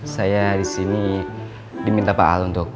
saya disini diminta pak al untuk